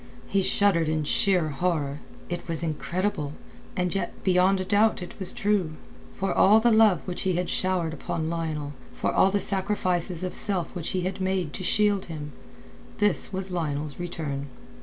He shuddered in sheer horror. It was incredible, and yet beyond a doubt it was true. For all the love which he had showered upon Lionel, for all the sacrifices of self which he had made to shield him, this was Lionel's return.